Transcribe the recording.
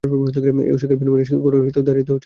ঐ শিক্ষার বিনিময়ে শিক্ষকগণেরও দারিদ্র্য ঘুচে যাবে।